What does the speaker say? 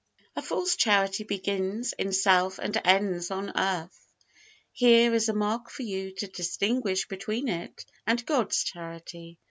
A false Charity begins in self and ends on earth. Here is a mark for you to distinguish between it and God's Charity.